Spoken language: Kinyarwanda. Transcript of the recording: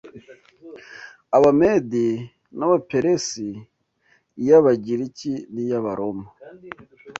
Abamedi n’abaperesi iy’abagiriki n’iy’abaroma.